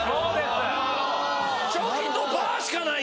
チョキとパしかない！